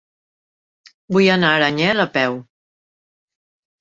Vull anar a Aranyel a peu.